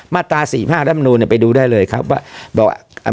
มาตรา๔๕รับอนุเนี่ยไปดูได้เลยครับว่า